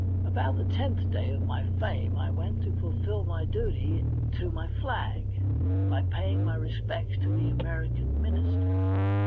About the tenth day of my fame I went to fulfil my duty to my flag by paying my respects to the American minister.